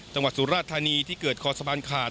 จังหวัดสุรทานีที่เกิดครอสะพานขาด